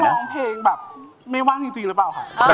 เรามองเพลงไม่ว่างจริงเลยป่าวค่ะ